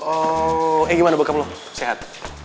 oh eh gimana bokap lo sehat